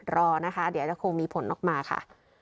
รอนะคะเดี๋ยวจะคงมีผลออกมาค่ะ